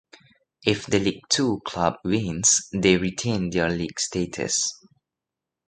If the League Two club wins they retain their league status.